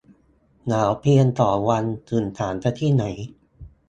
หนาวเพียงสองวัน ถึงสามซะที่ไหน